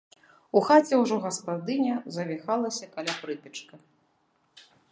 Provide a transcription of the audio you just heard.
У хаце ўжо гаспадыня завіхалася каля прыпечка.